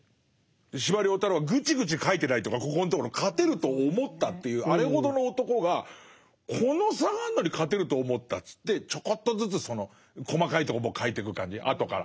司馬太郎はグチグチ書いてないというかここのところ勝てると思ったっていうあれほどの男がこの差があるのに勝てると思ったっつってちょこっとずつその細かいとこも書いてく感じ後から。